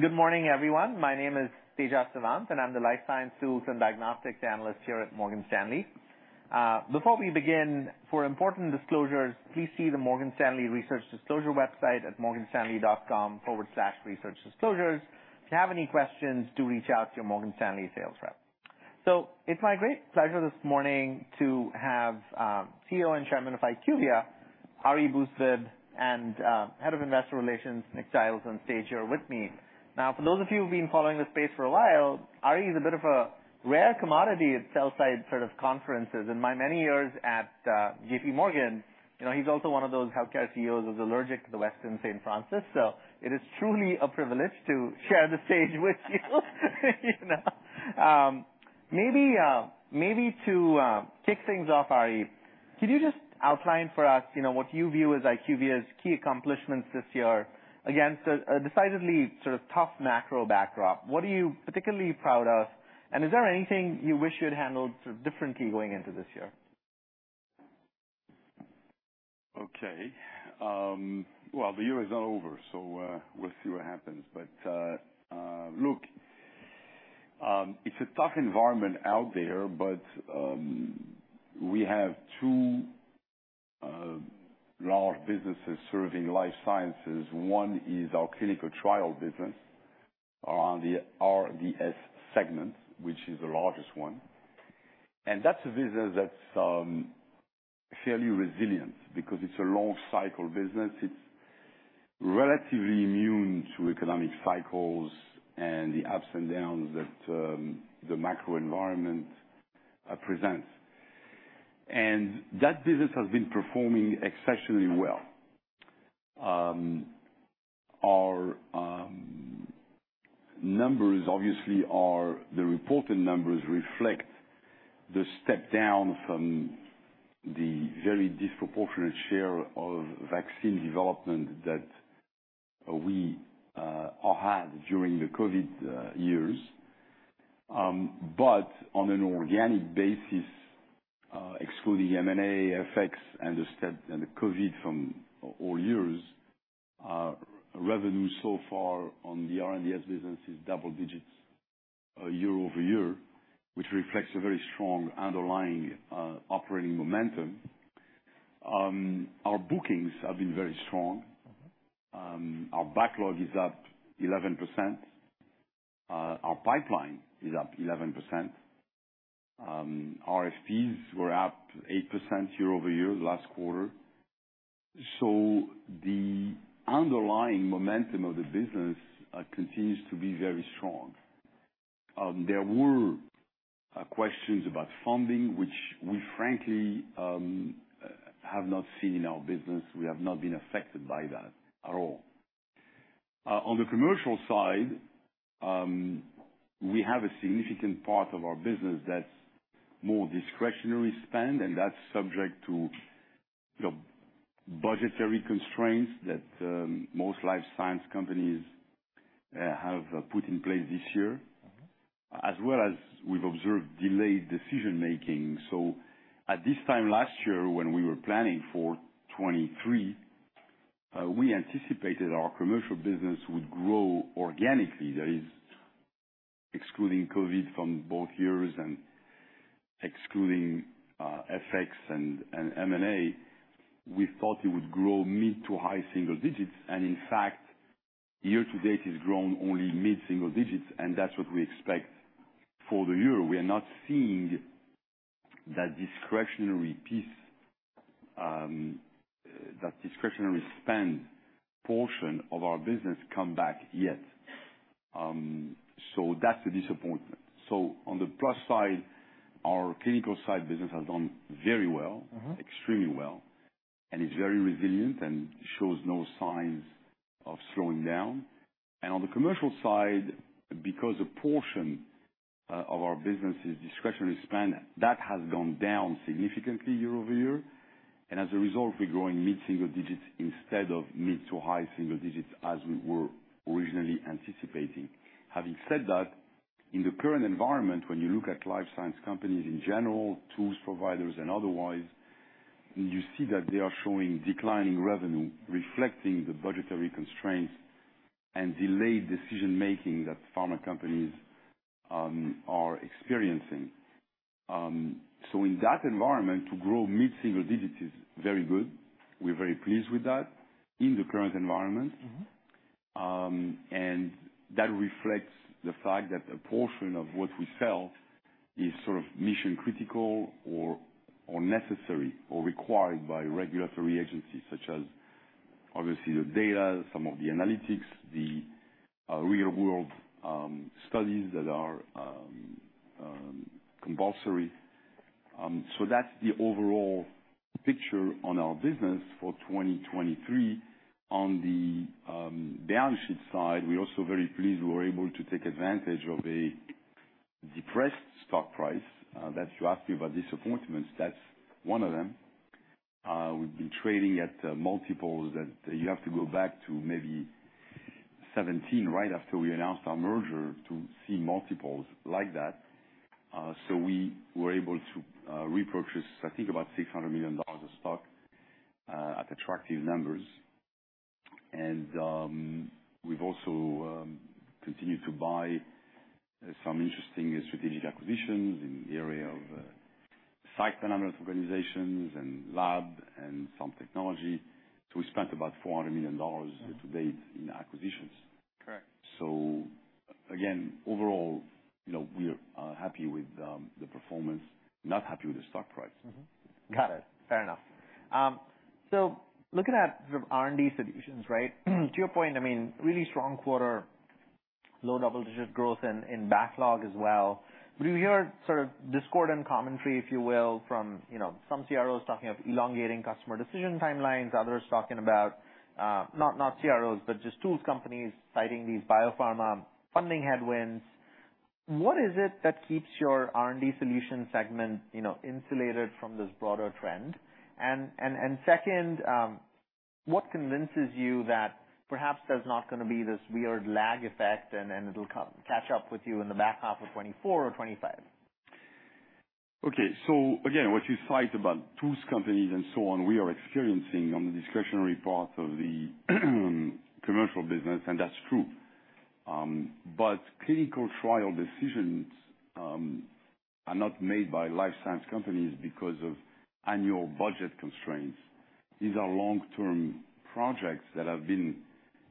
Good morning, everyone. My name is Tejas Savant, and I'm the Life Sciences Tools and Diagnostics Analyst here at Morgan Stanley. Before we begin, for important disclosures, please see the Morgan Stanley Research Disclosure website at morganstanley.com/researchdisclosures. If you have any questions, do reach out to your Morgan Stanley sales rep. So it's my great pleasure this morning to have CEO and Chairman of IQVIA, Ari Bousbib, and Head of Investor Relations, Nick Childs, on stage here with me. Now, for those of you who've been following this space for a while, Ari is a bit of a rare commodity at sell-side sort of conferences. In my many years at JP Morgan, you know, he's also one of those healthcare CEOs who's allergic to the west in San Francisco. So it is truly a privilege to share the stage with you. Maybe, maybe to kick things off, Ari, could you just outline for us, you know, what you view as IQVIA's key accomplishments this year against a decidedly sort of tough macro backdrop? What are you particularly proud of, and is there anything you wish you'd handled sort of differently going into this year? Okay. Well, the year is not over, so, we'll see what happens. But, look, it's a tough environment out there, but, we have two large businesses serving life sciences. One is our clinical trial business or the RDS segment, which is the largest one. And that's a business that's fairly resilient because it's a long cycle business. It's relatively immune to economic cycles and the ups and downs that the macro environment presents. And that business has been performing exceptionally well. Our numbers obviously are—the reported numbers reflect the step down from the very disproportionate share of vaccine development that we all had during the COVID years. On an organic basis, excluding M&A effects and the step- and the COVID from all years, revenue so far on the R&DS business is double digits, year-over-year, which reflects a very strong underlying, operating momentum. Our bookings have been very strong. Mm-hmm. Our backlog is up 11%, our pipeline is up 11%. RFPs were up 8% year-over-year last quarter. So the underlying momentum of the business continues to be very strong. There were questions about funding, which we frankly have not seen in our business. We have not been affected by that at all. On the commercial side, we have a significant part of our business that's more discretionary spend, and that's subject to the budgetary constraints that most life science companies have put in place this year. Mm-hmm. As well as we've observed delayed decision-making. So at this time last year, when we were planning for 2023, we anticipated our commercial business would grow organically. That is, excluding COVID from both years and excluding FX and M&A. We thought it would grow mid- to high-single digits, and in fact, year-to-date, it's grown only mid-single digits, and that's what we expect for the year. We are not seeing that discretionary piece, that discretionary spend portion of our business come back yet. So that's a disappointment. So on the plus side, our clinical side business has done very well- Mm-hmm. - extremely well, and is very resilient and shows no signs of slowing down. On the commercial side, because a portion of our business is discretionary spend, that has gone down significantly year-over-year, and as a result, we're growing mid-single digits instead of mid- to high-single digits, as we were originally anticipating. Having said that, in the current environment, when you look at life science companies in general, tools providers and otherwise, you see that they are showing declining revenue, reflecting the budgetary constraints and delayed decision-making that pharma companies are experiencing. So in that environment, to grow mid-single digits is very good. We're very pleased with that in the current environment. Mm-hmm. And that reflects the fact that a portion of what we sell is sort of mission-critical or, or necessary, or required by regulatory agencies such as, obviously, the data, some of the analytics, the real-world studies that are compulsory. So that's the overall picture on our business for 2023. On the balance sheet side, we're also very pleased we were able to take advantage of a depressed stock price. That you asked me about disappointments, that's one of them. We've been trading at multiples that you have to go back to maybe 2017, right after we announced our merger, to see multiples like that. So we were able to repurchase, I think, about $600 million of stock at attractive numbers. We've also continued to buy some interesting strategic acquisitions in the area of site dynamic organizations and lab and some technology. We spent about $400 million to date in acquisitions. Correct. So again, overall, you know, we are happy with the performance, not happy with the stock price. Mm-hmm. Got it. Fair enough. So looking at sort of R&D Solutions, right? To your point, I mean, really strong quarter, low double-digit growth in backlog as well. But we hear sort of discord and commentary, if you will, from, you know, some CROs talking of elongating customer decision timelines, others talking about not CROs, but just tools companies citing these biopharma funding headwinds. What is it that keeps your R&D Solutions segment, you know, insulated from this broader trend? And second, what convinces you that perhaps there's not gonna be this weird lag effect, and then it'll come catch up with you in the back half of 2024 or 2025? Okay. So again, what you cite about tools companies and so on, we are experiencing on the discretionary part of the commercial business, and that's true. But clinical trial decisions are not made by life science companies because of annual budget constraints. These are long-term projects that have been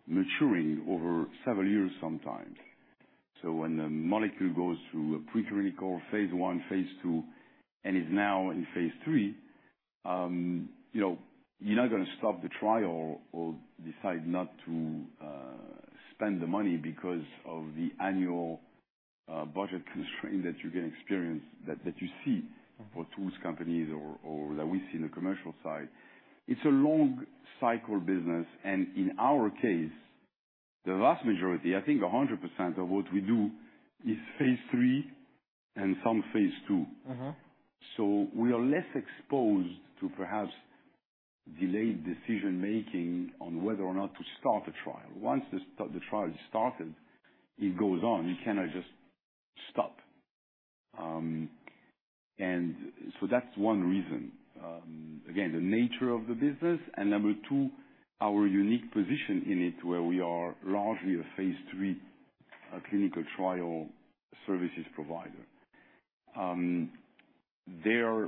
maturing over several years sometimes. So when a molecule goes through a preclinical phase I, phase II, and is now in phase III, you know, you're not gonna stop the trial or decide not to spend the money because of the annual budget constraint that you can experience that you see- Mm-hmm for tools companies or that we see in the commercial side. It's a long cycle business, and in our case, the vast majority, I think 100% of what we do, is phase III and some phase II. Mm-hmm. So we are less exposed to perhaps delayed decision-making on whether or not to start a trial. Once the trial is started, it goes on. You cannot just stop. And so that's one reason, again, the nature of the business. And number two, our unique position in it, where we are largely a phase III clinical trial services provider. There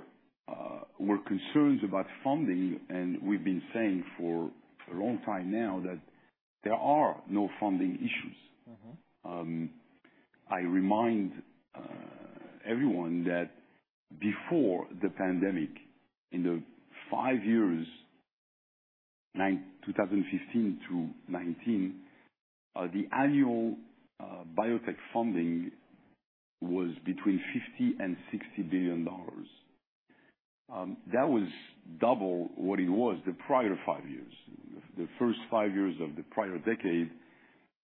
were concerns about funding, and we've been saying for a long time now that there are no funding issues. Mm-hmm. I remind everyone that before the pandemic, in the five years, 2015 to 2019, the annual biotech funding was between $50 billion and $60 billion. That was double what it was the prior five years. The first five years of the prior decade,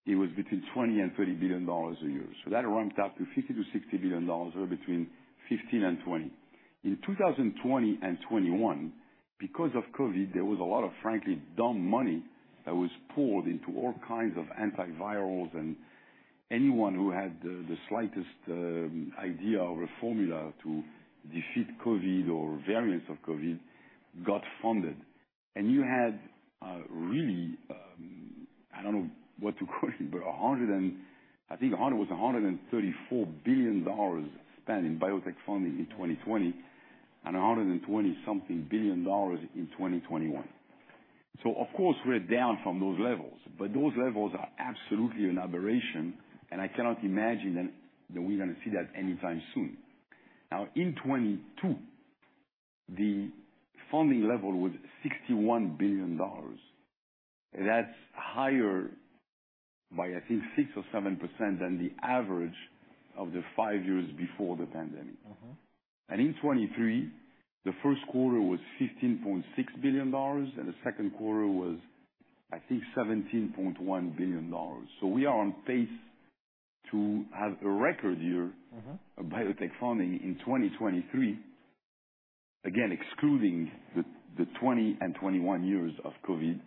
it was between $20 billion and $30 billion a year. So that ramped up to $50-$60 billion, or between $15 billion and $20 billion. In 2020 and 2021, because of COVID, there was a lot of frankly, dumb money that was poured into all kinds of antivirals, and anyone who had the slightest idea or a formula to defeat COVID or variants of COVID, got funded. And you had really, I don't know what to call it, but 100 and I think 100, it was $134 billion spent in biotech funding in 2020, and $120-something billion in 2021. So of course, we're down from those levels, but those levels are absolutely an aberration, and I cannot imagine that, that we're gonna see that anytime soon. Now, in 2022, the funding level was $61 billion. That's higher by, I think, 6% or 7% than the average of the five years before the pandemic. Mm-hmm. And in 2023, the first quarter was $15.6 billion, and the second quarter was, I think, $17.1 billion. So we are on pace to have a record year- Mm-hmm of biotech funding in 2023. Again, excluding the 2020 and 2021 years of COVID,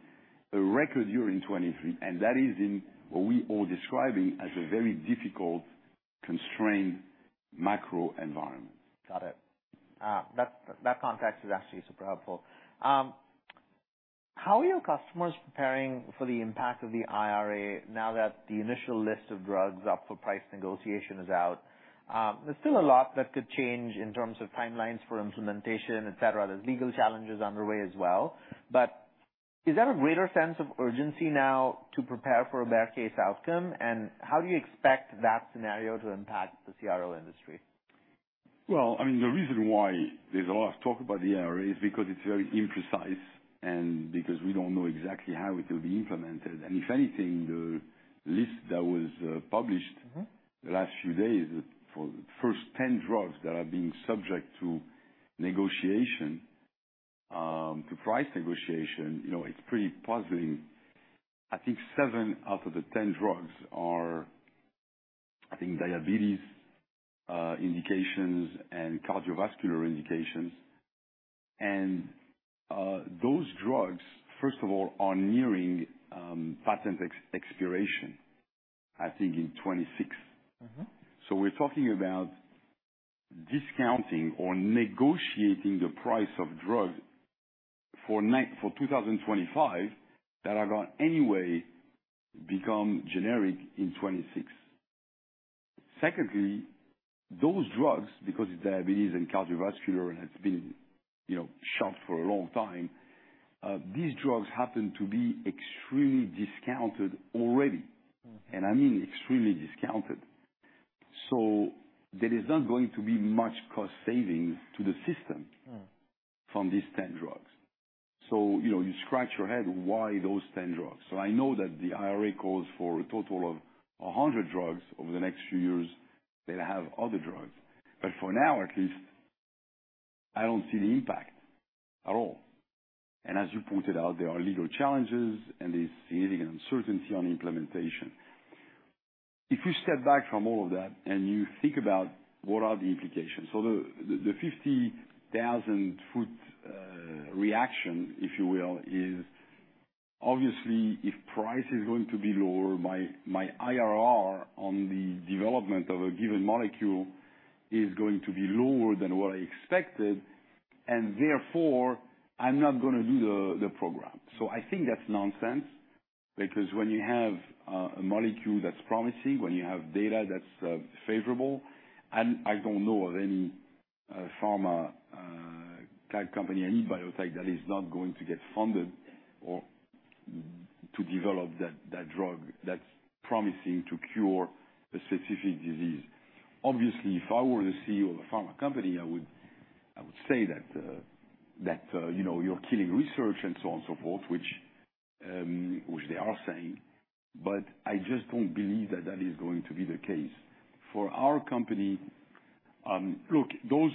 a record year in 2023, and that is in what we are describing as a very difficult constrained macro environment. Got it. That context is actually super helpful. How are your customers preparing for the impact of the IRA now that the initial list of drugs up for price negotiation is out? There's still a lot that could change in terms of timelines for implementation, et cetera. There's legal challenges underway as well. But is there a greater sense of urgency now to prepare for a bear case outcome? And how do you expect that scenario to impact the CRO industry? Well, I mean, the reason why there's a lot of talk about the IRA is because it's very imprecise and because we don't know exactly how it will be implemented. If anything, the list that was published- Mm-hmm the last few days, for the first 10 drugs that are being subject to negotiation, to price negotiation, you know, it's pretty puzzling. I think seven out of the 10 drugs are, I think, diabetes indications and cardiovascular indications. Those drugs, first of all, are nearing patent expiration, I think, in 2026. Mm-hmm. So we're talking about discounting or negotiating the price of drug for 2025, that are going to anyway become generic in 2026. Secondly, those drugs, because it's diabetes and cardiovascular, and it's been, you know, shopped for a long time, these drugs happen to be extremely discounted already. Mm-hmm. I mean, extremely discounted. There is not going to be much cost savings to the system- Mm. From these 10 drugs. So, you know, you scratch your head, why those 10 drugs? So I know that the IRA calls for a total of 100 drugs over the next few years. They'll have other drugs. But for now, at least, I don't see the impact at all. And as you pointed out, there are legal challenges, and there's still an uncertainty on implementation. If you step back from all of that and you think about what are the implications? So the 50,000-foot reaction, if you will, is obviously if price is going to be lower, my IRR on the development of a given molecule is going to be lower than what I expected, and therefore I'm not gonna do the program. So I think that's nonsense, because when you have a molecule that's promising, when you have data that's favorable, and I don't know of any pharma type company, any biotech that is not going to get funded or to develop that drug that's promising to cure a specific disease. Obviously, if I were the CEO of a pharma company, I would say that you know, you're killing research and so on and so forth, which they are saying, but I just don't believe that that is going to be the case. For our company, look, those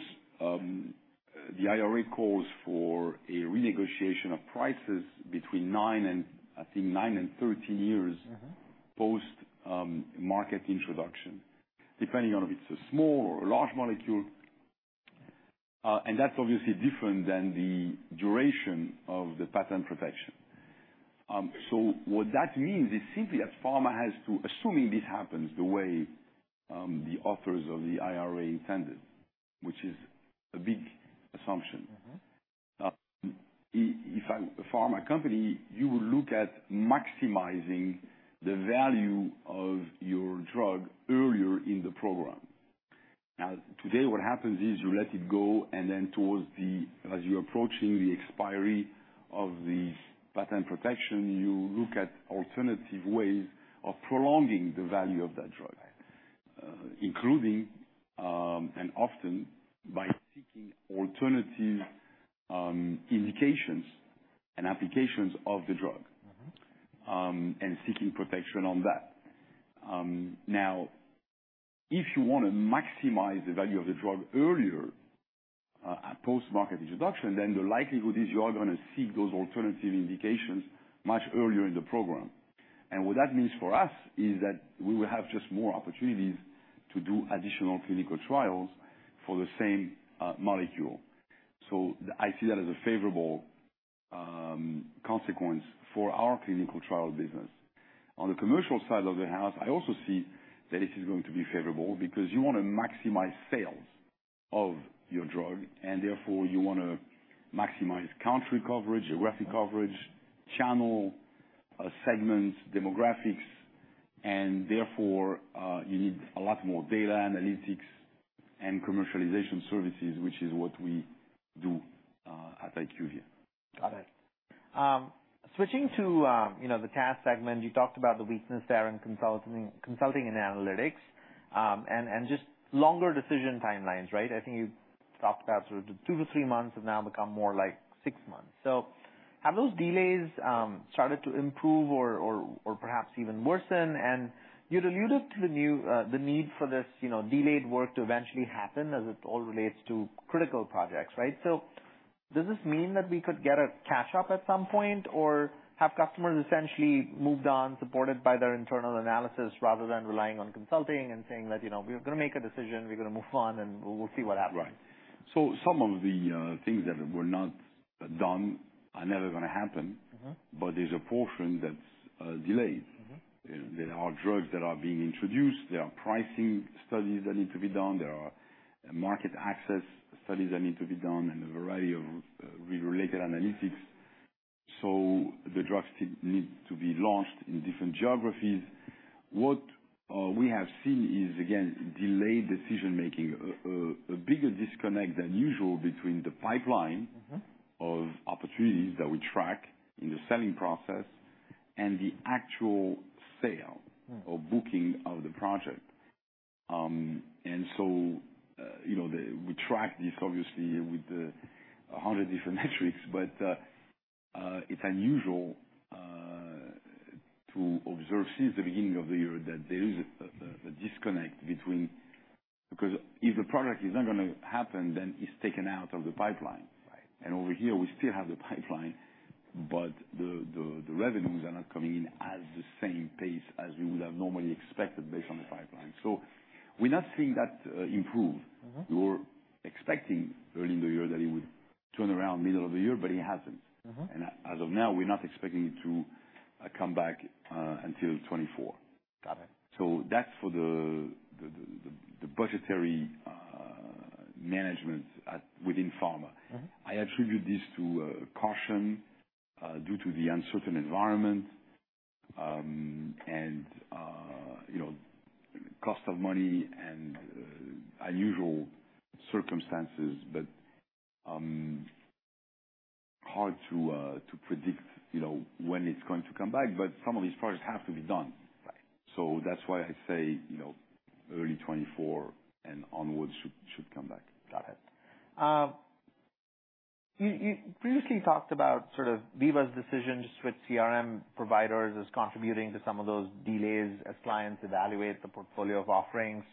the IRA calls for a renegotiation of prices between 9 and, I think 9 and 13 years- Mm-hmm. post-market introduction, depending on if it's a small or a large molecule. And that's obviously different than the duration of the patent protection. So what that means is simply that pharma has to. Assuming this happens the way the authors of the IRA intended, which is a big assumption. Mm-hmm. If I'm a pharma company, you will look at maximizing the value of your drug earlier in the program. Now, today, what happens is, you let it go, and then towards the As you're approaching the expiry of the patent protection, you look at alternative ways of prolonging the value of that drug, including, and often by seeking alternative, indications and applications of the drug. Mm-hmm. and seeking protection on that. Now, if you want to maximize the value of the drug earlier, at post-market introduction, then the likelihood is you are gonna seek those alternative indications much earlier in the program. And what that means for us, is that we will have just more opportunities to do additional clinical trials for the same, molecule. So I see that as a favorable, consequence for our clinical trial business. On the commercial side of the house, I also see that it is going to be favorable because you want to maximize sales of your drug, and therefore you want to maximize country coverage, geographic coverage- Mm. -channel, segments, demographics, and therefore, you need a lot more data analytics and commercialization services, which is what we do, at IQVIA. Got it. Switching to, you know, the TAS segment, you talked about the weakness there in consulting and analytics. And just longer decision timelines, right? I think you talked about sort of 2-3 months have now become more like 6 months. So have those delays started to improve or perhaps even worsen? And you'd alluded to the need for this, you know, delayed work to eventually happen as it all relates to critical projects, right? So does this mean that we could get a catch-up at some point, or have customers essentially moved on, supported by their internal analysis, rather than relying on consulting and saying that, "You know, we're gonna make a decision, we're gonna move on, and we'll see what happens? Right. So some of the things that were not done are never gonna happen. Mm-hmm. But there's a portion that's delayed. Mm-hmm. There are drugs that are being introduced, there are pricing studies that need to be done, there are market access studies that need to be done, and a variety of related analytics. So the drugs still need to be launched in different geographies. What we have seen is, again, delayed decision-making. A bigger disconnect than usual between the pipeline- Mm-hmm -of opportunities that we track in the selling process, and the actual sale- Mm or booking of the project. And so, you know, the. We track this obviously with 100 different metrics, but it's unusual to observe since the beginning of the year that there is a disconnect between. Because if the product is not gonna happen, then it's taken out of the pipeline. Right. Over here, we still have the pipeline, but the revenues are not coming in at the same pace as we would have normally expected, based on the pipeline. So we're not seeing that improve. Mm-hmm. We were expecting early in the year that it would turn around middle of the year, but it hasn't. Mm-hmm. As of now, we're not expecting it to come back until 2024. Got it. So that's for the budgetary management at within pharma. Mm-hmm. I attribute this to caution due to the uncertain environment, and you know, cost of money and unusual circumstances. But hard to predict, you know, when it's going to come back, but some of these projects have to be done. Right. That's why I say, you know, early 2024 and onwards should come back. Got it. You previously talked about sort of Veeva's decision to switch CRM providers as contributing to some of those delays as clients evaluate the portfolio of offerings,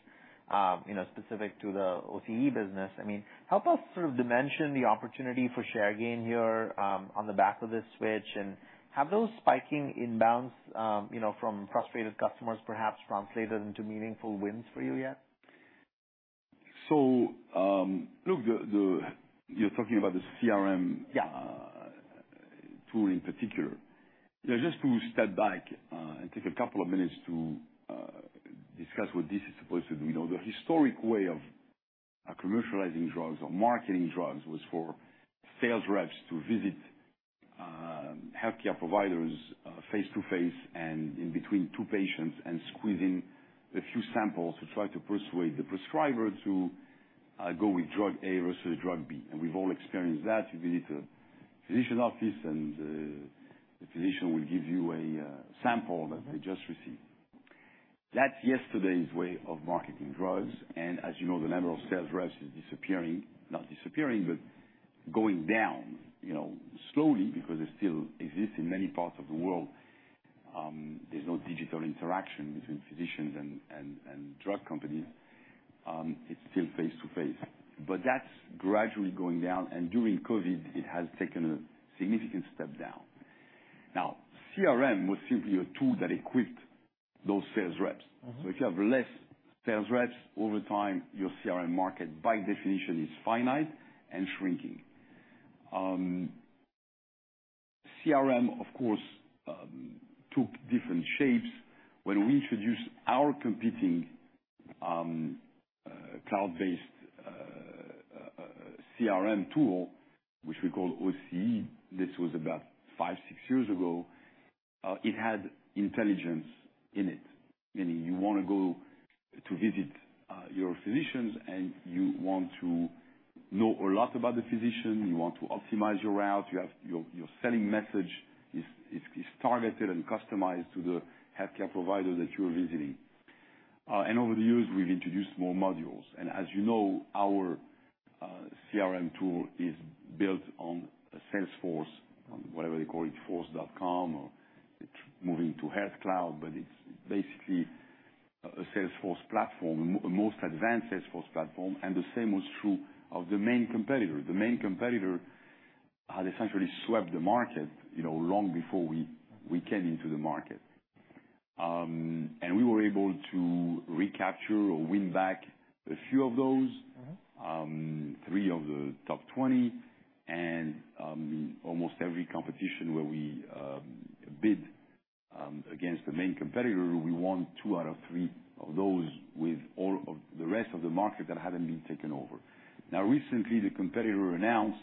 you know, specific to the OCE business. I mean, help us sort of dimension the opportunity for share gain here, on the back of this switch. And have those spiking inbounds, you know, from frustrated customers, perhaps translated into meaningful wins for you yet? So, look, you're talking about the CRM- Yeah. Tool in particular. Yeah, just to step back, and take a couple of minutes to, discuss what this is supposed to do. You know, the historic way of, commercializing drugs or marketing drugs was for sales reps to visit, healthcare providers, face-to-face and in between two patients, and squeeze in a few samples to try to persuade the prescriber to, go with drug A versus drug B. And we've all experienced that. You visit a physician office, and, the physician will give you a, sample that they just received. That's yesterday's way of marketing drugs, and as you know, the level of sales reps is disappearing. Not disappearing, but going down, you know, slowly, because they still exist in many parts of the world. There's no digital interaction between physicians and drug companies. It's still face-to-face. That's gradually going down, and during COVID, it has taken a significant step down. Now, CRM was simply a tool that equipped those sales reps. Mm-hmm. So if you have less sales reps over time, your CRM market, by definition, is finite and shrinking. CRM, of course, took different shapes. When we introduced our competing, cloud-based, CRM tool, which we call OCE, this was about 5, 6 years ago, it had intelligence in it, meaning you wanna go to visit, your physicians, and you want to know a lot about the physician, you want to optimize your route. Your selling message is targeted and customized to the healthcare provider that you are visiting. Over the years, we've introduced more modules, and as you know, our CRM tool is built on Salesforce, on whatever they call it, force.com, or it's moving to Health Cloud, but it's basically a Salesforce platform, most advanced Salesforce platform, and the same was true of the main competitor. The main competitor had essentially swept the market, you know, long before we came into the market. We were able to recapture or win back a few of those. Mm-hmm. 3 of the top 20 and, almost every competition where we bid against the main competitor, we won 2 out of 3 of those with all of the rest of the market that hadn't been taken over. Now, recently, the competitor announced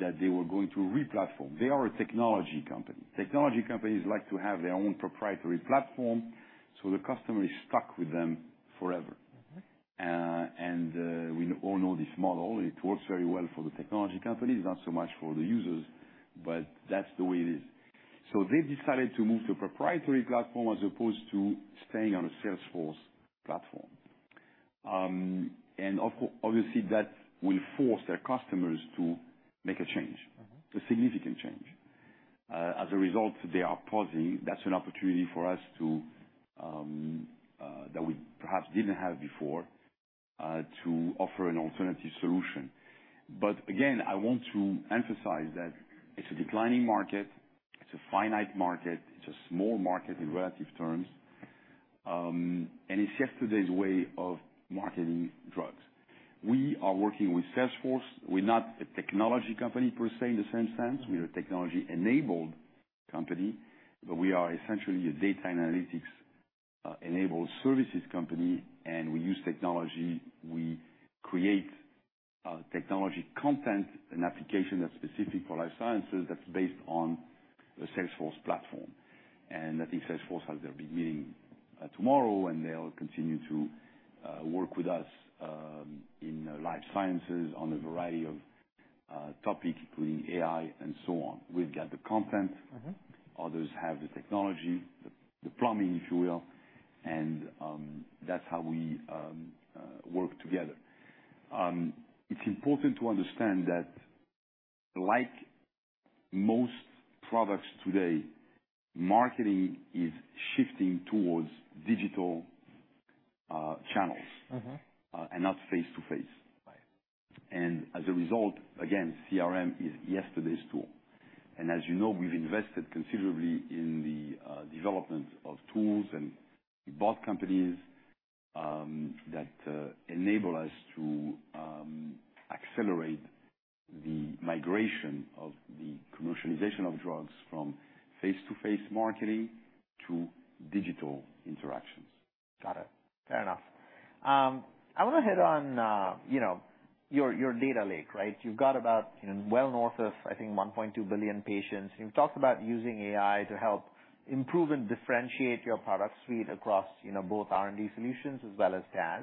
that they were going to re-platform. They are a technology company. Technology companies like to have their own proprietary platform, so the customer is stuck with them forever. Mm-hmm. We all know this model. It works very well for the technology companies, not so much for the users, but that's the way it is. So they've decided to move to a proprietary platform as opposed to staying on a Salesforce platform. Obviously, that will force their customers to make a change. Mm-hmm. A significant change. As a result, they are pausing. That's an opportunity for us to, that we perhaps didn't have before, to offer an alternative solution. But again, I want to emphasize that it's a declining market, it's a finite market, it's a small market in relative terms, and it's yesterday's way of marketing drugs. We are working with Salesforce. We're not a technology company per se, in the same sense. We are a technology-enabled company, but we are essentially a data analytics, enabled services company, and we use technology. We create, technology content and application that's specific for life sciences, that's based on the Salesforce platform. And I think Salesforce has their big meeting, tomorrow, and they'll continue to, work with us, in life sciences on a variety of, topics, including AI and so on. We've got the content- Mm-hmm. Others have the technology, the plumbing, if you will, and that's how we work together. It's important to understand that like most products today, marketing is shifting toward digital channels. Mm-hmm. and not face-to-face. Right. As a result, again, CRM is yesterday's tool. As you know, we've invested considerably in the development of tools, and we bought companies that enable us to accelerate the migration of the commercialization of drugs from face-to-face marketing to digital interactions. Got it. Fair enough. I wanna hit on, you know, your, your data lake, right? You've got about, you know, well north of, I think, 1.2 billion patients. You've talked about using AI to help improve and differentiate your product suite across, you know, both R&D solutions as well as TAS.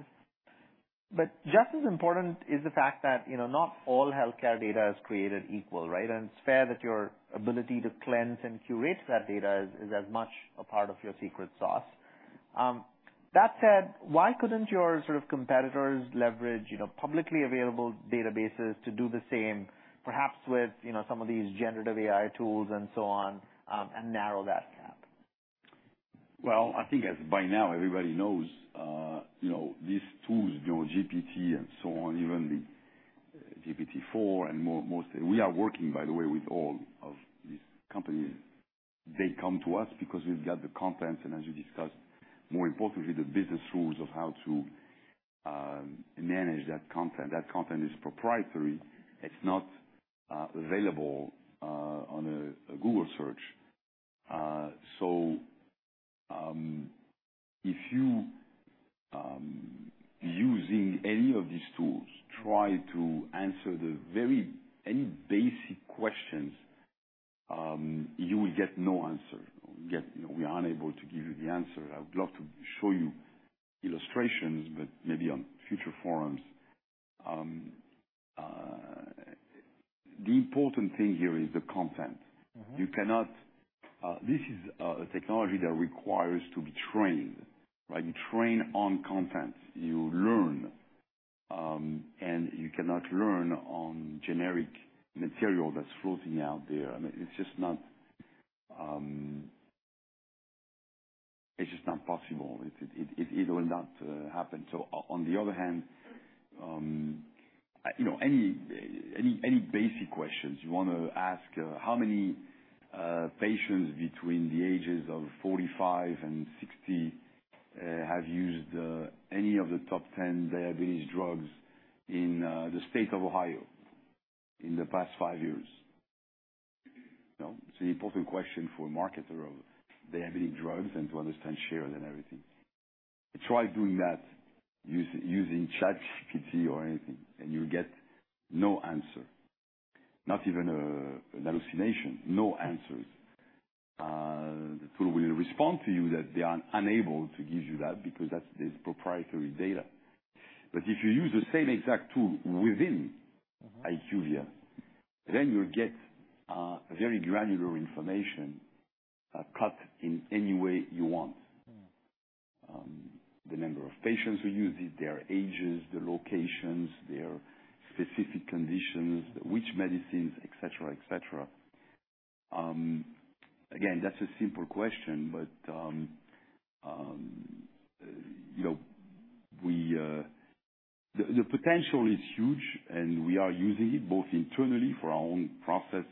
But just as important is the fact that, you know, not all healthcare data is created equal, right? And it's fair that your ability to cleanse and curate that data is, is as much a part of your secret sauce. That said, why couldn't your sort of competitors leverage, you know, publicly available databases to do the same, perhaps with, you know, some of these generative AI tools and so on, and narrow that gap? Well, I think as by now, everybody knows, you know, these tools, you know, GPT and so on, even the GPT-4 and more-most. We are working, by the way, with all of these companies. They come to us because we've got the content and as we discussed, more importantly, the business rules of how to manage that content. That content is proprietary. It's not available on a Google search. So, if you using any of these tools, try to answer any basic questions, you will get no answer. Get, you know, we are unable to give you the answer. I would love to show you illustrations, but maybe on future forums. The important thing here is the content. Mm-hmm. You cannot. This is a technology that requires to be trained, right? You train on content, you learn, and you cannot learn on generic material that's floating out there. I mean, it's just not, it's just not possible. It will not happen. So on the other hand, you know, any basic questions you wanna ask, how many patients between the ages of 45 and 60 have used any of the top 10 diabetes drugs in the state of Ohio in the past 5 years? You know, it's an important question for marketers of diabetes drugs and to understand shares and everything. Try doing that using ChatGPT or anything, and you'll get no answer. Not even an hallucination, no answers. The tool will respond to you that they are unable to give you that because that's their proprietary data. But if you use the same exact tool within- Mm-hmm. IQVIA, then you'll get very granular information, cut in any way you want. Mm. The number of patients who use it, their ages, the locations, their specific conditions, which medicines, et cetera, et cetera. Again, that's a simple question, but, you know, we. The potential is huge, and we are using it both internally for our own process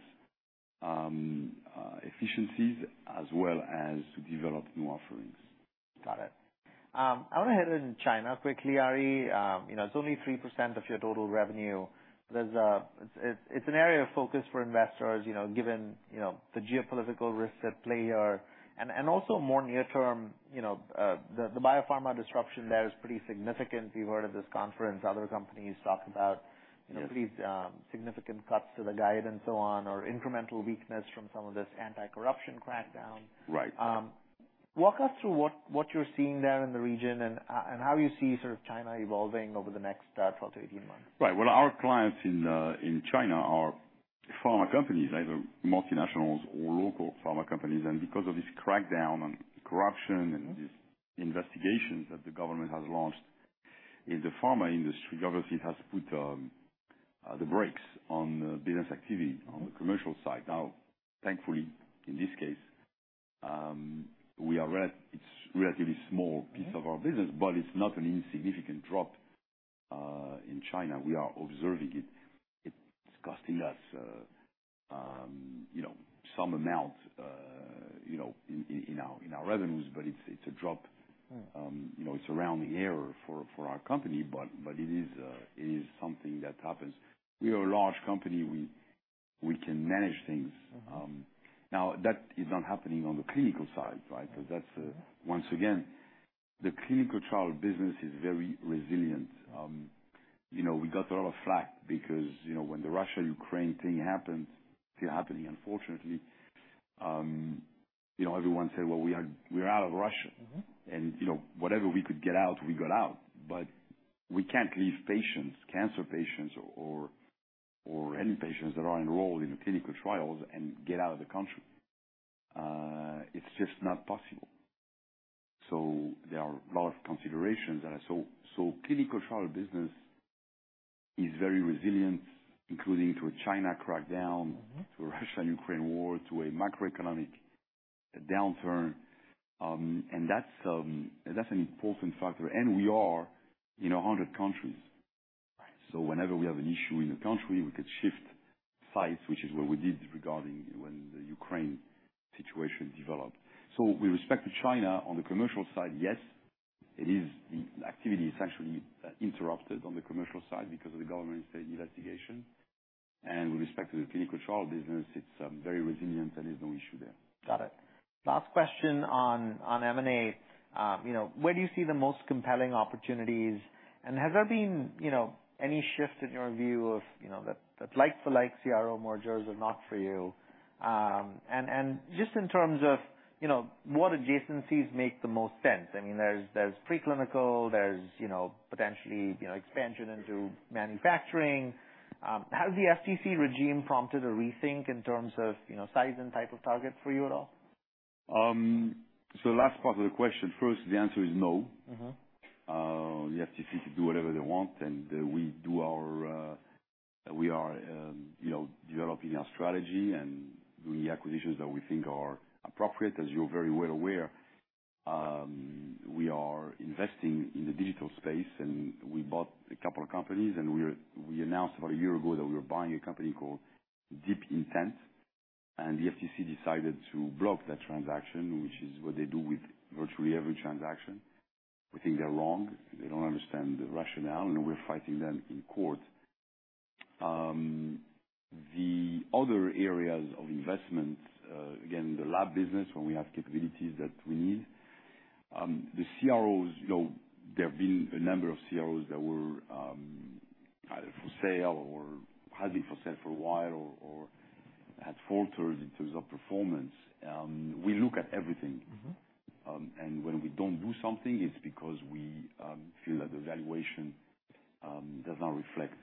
efficiencies, as well as to develop new offerings. Got it. I wanna hit on China quickly, Ari. You know, it's only 3% of your total revenue. It's an area of focus for investors, you know, given the geopolitical risks at play here and also more near term, you know, the biopharma disruption there is pretty significant. We've heard of this conference, other companies talk about, you know- Yes pretty significant cuts to the guide and so on, or incremental weakness from some of this anti-corruption crackdown. Right. Walk us through what, what you're seeing there in the region and, and how you see sort of China evolving over the next 12-18 months. Right. Well, our clients in China are pharma companies, either multinationals or local pharma companies. And because of this crackdown on corruption- Mm-hmm and these investigations that the government has launched in the pharma industry, obviously, it has put the brakes on the business activity- Mm-hmm on the commercial side. Now, thankfully, in this case, it's relatively small piece of our business, but it's not an insignificant drop in China. We are observing it. It's costing us, you know, some amount, you know, in our revenues, but it's a drop. Mm. You know, it's a rounding error for our company, but it is something that happens. We are a large company. We can manage things. Mm-hmm. Now that is not happening on the clinical side, right? Because that's. Once again, the clinical trial business is very resilient. You know, we got a lot of flak because, you know, when the Russia-Ukraine thing happened, still happening unfortunately, you know, everyone said: Well, we are, we're out of Russia. Mm-hmm. You know, whatever we could get out, we got out. But we can't leave patients, cancer patients or any patients that are enrolled in the clinical trials and get out of the country. It's just not possible. So there are a lot of considerations there. So clinical trial business is very resilient, including to a China crackdown- Mm-hmm to Russia-Ukraine war, to a macroeconomic downturn. And that's an important factor. Mm. We are in 100 countries. Right. Whenever we have an issue in a country, we could shift sites, which is what we did regarding when the Ukraine situation developed. With respect to China, on the commercial side, yes, it is, the activity is actually interrupted on the commercial side because of the government state investigation. With respect to the clinical trial business, it's very resilient, there is no issue there. Got it. Last question on M&A. You know, where do you see the most compelling opportunities? And has there been, you know, any shift in your view of, you know, that like for like CRO mergers are not for you? And just in terms of, you know, what adjacencies make the most sense? I mean, there's preclinical, there's, you know, potentially, you know, expansion into manufacturing. Has the FTC regime prompted a rethink in terms of, you know, size and type of target for you at all? So, the last part of the question first, the answer is no. Mm-hmm. The FTC can do whatever they want, and we are, you know, developing our strategy and doing the acquisitions that we think are appropriate. As you're very well aware, we are investing in the digital space, and we bought a couple of companies, and we announced about a year ago that we were buying a company called DeepIntent, and the FTC decided to block that transaction, which is what they do with virtually every transaction. We think they're wrong. They don't understand the rationale, and we're fighting them in court. The other areas of investment, again, the lab business, when we have capabilities that we need. The CROs, you know, there have been a number of CROs that were either for sale or had been for sale for a while, or had faltered in terms of performance. We look at everything. Mm-hmm. And when we don't do something, it's because we feel that the valuation does not reflect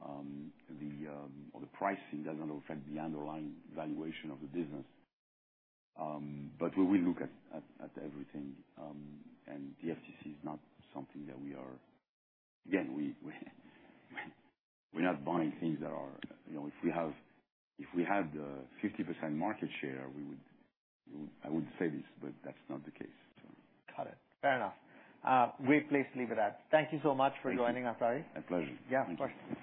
or the pricing does not reflect the underlying valuation of the business. But we will look at everything, and the FTC is not something that we are. Again, we're not buying things that are, you know, if we have, if we had the 50% market share, we would. I would say this, but that's not the case, so. Got it. Fair enough. We're pleased to leave it at. Thank you so much for joining us, Ari. My pleasure. Yeah, of course.